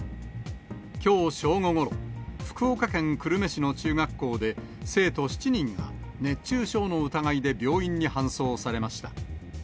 きょう正午ごろ、福岡県久留米市の中学校で、生徒７人が熱中症の疑いで病院に搬送されました。